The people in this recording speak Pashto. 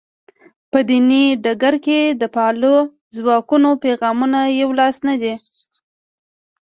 په دیني ډګر کې د فعالو ځواکونو پیغامونه یو لاس نه دي.